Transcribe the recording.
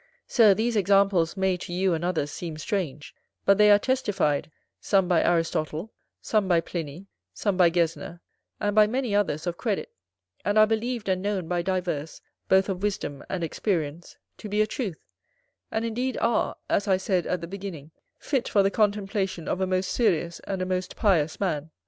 Sir, these examples may, to you and others, seem strange; but they are testified, some by Aristotle, some by Pliny, some by Gesner, and by many others of credit; and are believed and known by divers, both of wisdom and experience, to be a truth; and indeed are, as I said at the beginning, fit for the contemplation of a most serious and a most pious man.